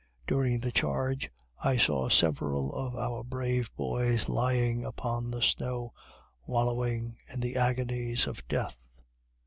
During the charge, I saw several of our brave boys lying upon the snow wallowing in the agonies of death.